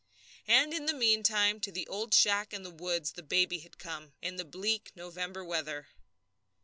And in the meantime to the old shack in the woods the baby had come in the bleak November weather.